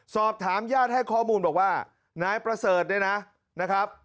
สอบถามญาติให้ข้อมูลบอกว่านายประเสริฐเนี่ยนะครับ